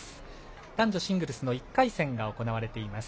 男女シングルスの１回戦が行われています。